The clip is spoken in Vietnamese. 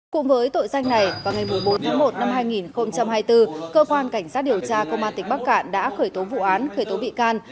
cùng với tội danh này vào ngày bốn tháng một năm hai nghìn hai mươi bốn cơ quan cảnh sát điều tra công an tỉnh bắc cạn đã khởi tố vụ án khởi tố bị can